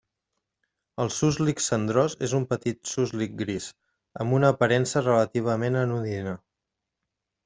El suslic cendrós és un petit suslic gris, amb una aparença relativament anodina.